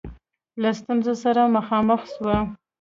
له ستونزو سره مخامخ سوه.